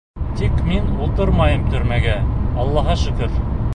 Тик мин ултырмайым төрмәгә, Аллаға шөкөр.